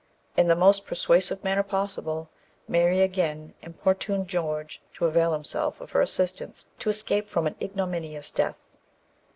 In the most persuasive manner possible, Mary again importuned George to avail himself of her assistance to escape from an ignominious death.